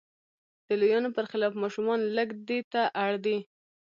د لویانو پر خلاف ماشومان لږ دې ته اړ دي.